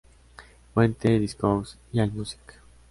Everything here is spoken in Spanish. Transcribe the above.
Fuente: Discogs y Allmusic.